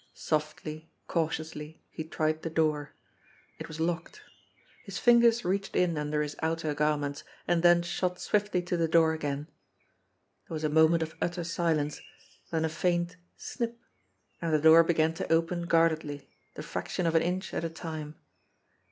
Softly, cautiously, he tried the door. It was locked. His fingers reached in under his outer garments, and then shot swiftly to the door again. There was a moment of utter silence, then a faint snip, and the door began to open guardedly, the fraction of an inch at a time.